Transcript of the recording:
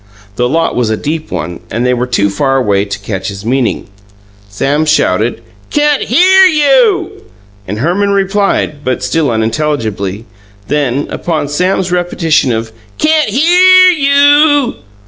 The lot was a deep one, and they were too far away to catch his meaning. Sam shouted, "Can't HEAR you!" and Herman replied, but still unintelligibly; then, upon Sam's repetition of "Can't HEAR you!"